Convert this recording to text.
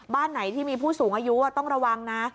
บ้านไหนที่มีผู้สูงอายุต้องระวังนะ